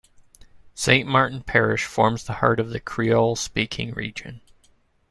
Saint Martin Parish forms the heart of the Creole-speaking region.